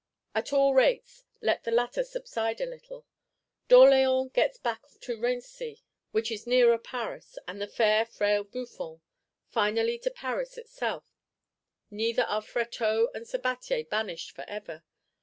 At all rates, let the latter subside a little! D'Orléans gets back to Raincy, which is nearer Paris and the fair frail Buffon; finally to Paris itself: neither are Fréteau and Sabatier banished forever.